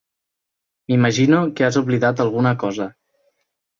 M'imagino que has oblidat alguna cosa.